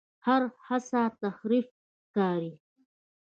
هر هڅه تحریف ښکاري.